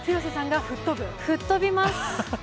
吹っ飛びます。